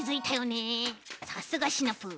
さすがシナプー。